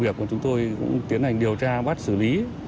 chúng tôi cũng tiến hành điều tra bắt xử lý